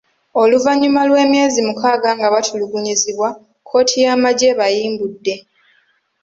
Oluvannyuma lw’emyezi mukaaga nga batulugunyizibwa, kkooti y’amagye ebayimbudde.